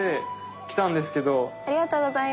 来たんですけど。